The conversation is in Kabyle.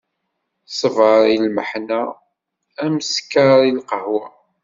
Ṣṣbeṛ i lmeḥna, am sskeṛ i lqahwa.